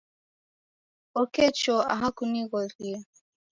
Oke choo aha kunighorie.